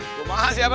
gua mahas ya mba